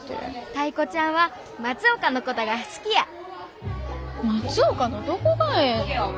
タイ子ちゃんは松岡のことが好きや松岡のどこがええの？